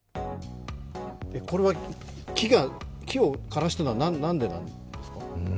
これは木を枯らしたのは何でなんですか？